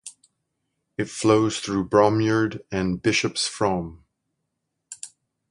It flows through Bromyard, and Bishops Frome.